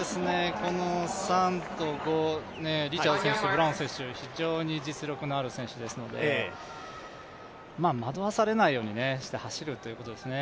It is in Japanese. ３と５、リチャード選手とブラウン選手、実力がある選手なので惑わされないようにして走るということですね。